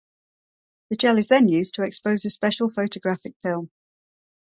The gel is then used to expose a special photographic film.